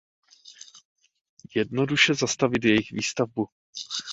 Jednoduše zastavit jejich výstavbu.